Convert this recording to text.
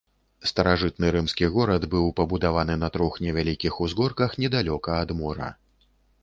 Старажытны рымскі горад быў пабудаваны на трох невялікіх узгорках недалёка ад мора.